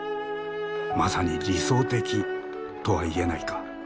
「まさに理想的」とは言えないか？